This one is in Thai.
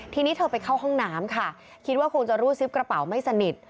ทีนี้เธอไปเข้าห้องน้ำค่ะคิดว่าคงจะรูดซิปกระเป๋าไม่สนิท